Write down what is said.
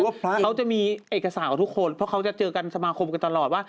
พระเขาจะมีเอกสารกับทุกคนเพราะเขาจะเจอกันสมาคมกันตลอดว่า